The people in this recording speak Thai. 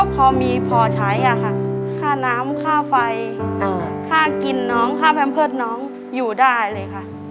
พอมีพอใช้อะค่ะค่าน้ำค่าไฟค่ากินน้องค่าแพมเพิร์ตน้องอยู่ได้เลยค่ะ